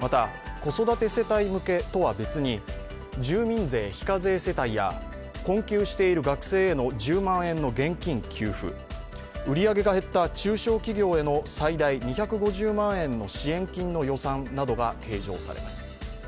また、子育て世帯向けとは別に住民税非課税世帯や困窮している学生への１０万円現金給付、売り上げが減った中小企業への最大２５０万円の支援金の予算などが計上されます。